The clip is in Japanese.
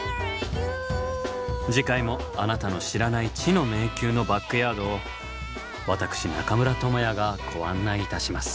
次回もあなたの知らない「知の迷宮」のバックヤードを私中村倫也がご案内いたします。